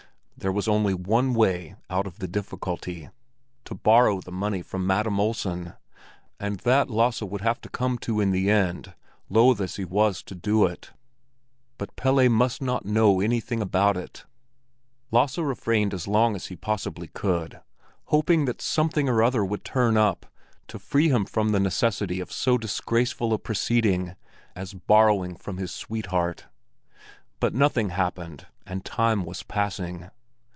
There was only one way out of the difficulty—to borrow the money from Madam Olsen; and that Lasse would have to come to in the end, loth as he was to do it. But Pelle must not know anything about it. Lasse refrained as long as he possibly could, hoping that something or other would turn up to free him from the necessity of so disgraceful a proceeding as borrowing from his sweetheart. But nothing happened, and time was passing.